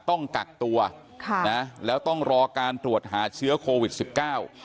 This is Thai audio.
ต้องกักตัวค่ะนะแล้วต้องรอการตรวจหาเชื้อโควิดสิบเก้า